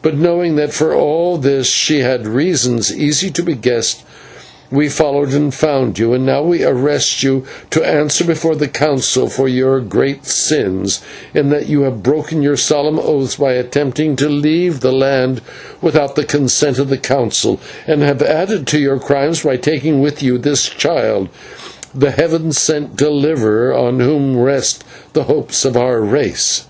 But, knowing that for all this she had reasons easy to be guessed, we followed and found you, and now we arrest you to answer before the Council for your great sins, in that you have broken your solemn oaths by attempting to leave the land without the consent of the Council, and have added to your crimes by taking with you this child, the Heaven sent deliverer, on whom rest the hopes of our race."